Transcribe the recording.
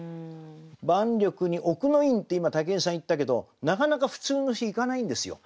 万緑に奥の院って今武井さん言ったけどなかなか普通の日行かないんですよ。